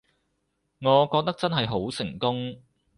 我覺得真係好成功